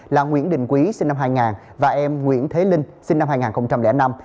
là nguyễn đình quý sinh năm hai nghìn và em nguyễn thế linh sinh năm hai nghìn năm